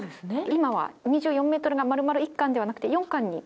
今は２４ｍが丸々１巻ではなくて。